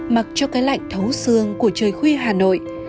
mặc cho cái lạnh thấu xương của trời khuya hà nội